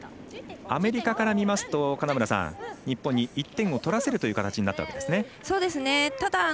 アメリカから見ますと日本に１点を取らせるという形になりましたね。